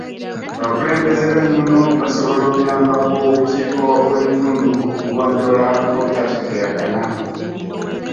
Abakulembeze ab’ennono basobola okuyamba ku bukiiko bw’ebitundu okugonjoola obutategeeragana.